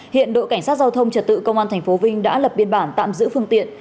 hiện đội cảnh sát giao thông trật tự công an tp vinh đã lập biên bản tạm giữ phương tiện